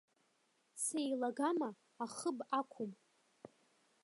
Сеилагама, ахыб ақәым.